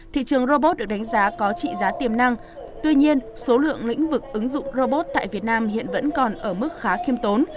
thị trường robot được đánh giá có trị giá tiềm năng tuy nhiên số lượng lĩnh vực ứng dụng robot tại việt nam hiện vẫn còn ở mức khá khiêm tốn